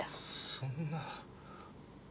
そんな。